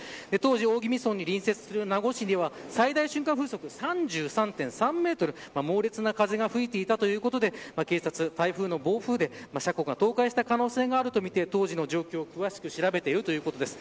大宜味村に隣接する名護市では最大瞬間風速３３．３メートルと猛烈な風が吹いていたということで台風の暴風で車庫は倒壊したということで警察は当時の状況を詳しく調べています。